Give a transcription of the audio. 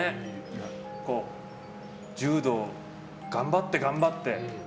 柔道を頑張って頑張って。